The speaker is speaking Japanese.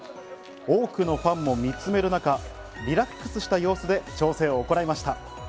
多くのファンも見つめる中、リラックスした様子で調整を行いました。